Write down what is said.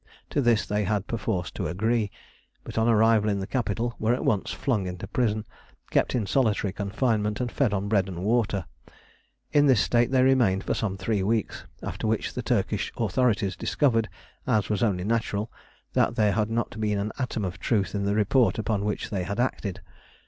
To this they had perforce to agree, but on arrival in the capital were at once flung into prison, kept in solitary confinement, and fed on bread and water. In this state they remained for some three weeks, after which the Turkish authorities discovered, as was only natural, that there had not been an atom of truth in the report upon which they had acted.